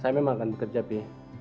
saya memang akan bekerja b